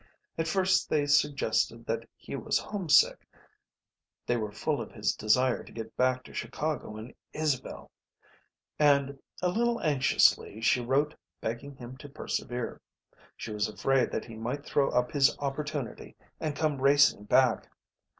At first they suggested that he was homesick, they were full of his desire to get back to Chicago and Isabel; and, a little anxiously, she wrote begging him to persevere. She was afraid that he might throw up his opportunity and come racing back.